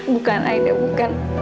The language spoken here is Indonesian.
bukan aida bukan